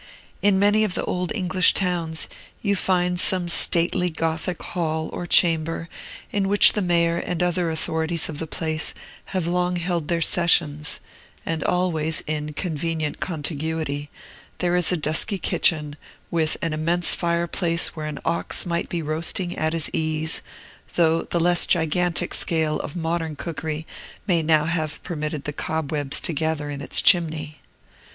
In many of the old English towns, you find some stately Gothic hall or chamber in which the Mayor and other authorities of the place have long held their sessions; and always, in convenient contiguity, there is a dusky kitchen, with an immense fireplace where an ox might be roasting at his ease, though the less gigantic scale of modern cookery may now have permitted the cobwebs to gather in its chimney.